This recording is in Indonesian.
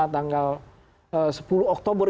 tanggal sepuluh oktober